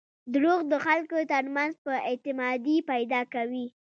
• دروغ د خلکو ترمنځ بېاعتمادي پیدا کوي.